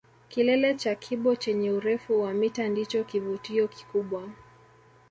Kilele cha Kibo chenye urefu wa mita ndicho kivutio kikubwa